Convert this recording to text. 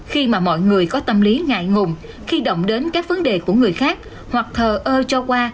khi mà mọi người có tâm lý ngại ngùng khi động đến các vấn đề của người khác hoặc thờ ơ cho qua